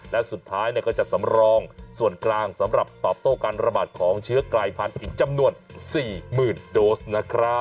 และสุดท้ายก็จะสำรองส่วนกลางสำหรับตอบโต้การระบาดของเชื้อกลายพันธุ์อีกจำนวน๔๐๐๐โดสนะครับ